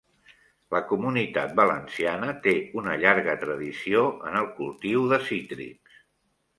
La Comunitat Valenciana té una llarga tradició en el cultiu de cítrics